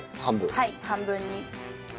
はい半分に。